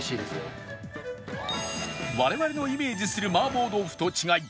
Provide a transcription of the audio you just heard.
我々のイメージする麻婆豆腐と違い